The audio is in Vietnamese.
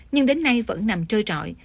nhưng đến nay vẫn nằm trôi trọi